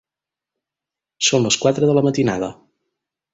Són les quatre de la matinada.